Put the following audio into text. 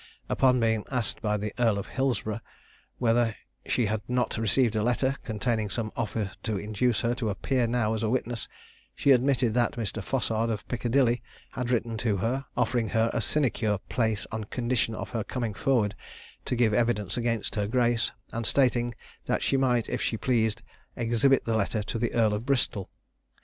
Upon being asked by the Earl of Hilsborough whether she had not received a letter containing some offer to induce her to appear now as a witness, she admitted that Mr. Fossard of Piccadilly had written to her, offering her a sinecure place on condition of her coming forward to give evidence against her grace, and stating that she might, if she pleased, exhibit the letter to the Earl of Bristol.